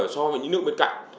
so với những nước bên cạnh